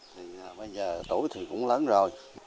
thì bây giờ tuổi thì cũng lớn rồi